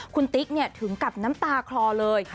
คุณติ๊กถึงกับน้ำตาคลอเลย